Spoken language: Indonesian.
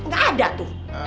gak ada tuh